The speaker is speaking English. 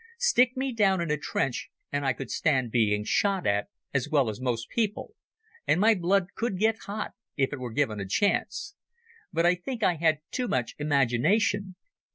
Stick me down in a trench and I could stand being shot at as well as most people, and my blood could get hot if it were given a chance. But I think I had too much imagination.